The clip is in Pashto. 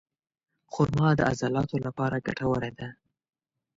خرما د عضلاتو لپاره ګټوره ده.